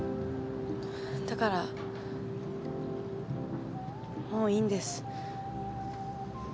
だからもういいんです。